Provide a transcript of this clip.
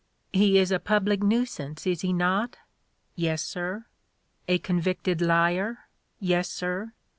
He is a public nuisance, is he not?' 'Yes, sir.' 'A convicted liar?' 'Yes, sir.'